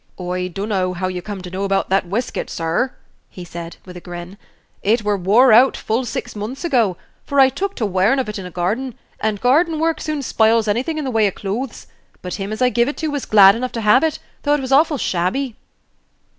"I dunno how you come to know about that weskit, sir," he said, with a grin; "it were wore out full six months ago; for I took to wearin' of 't in t' garden, and garden work soon spiles anything in the way of clothes; but him as I give it to was glad enough to have it, though it was awful shabby."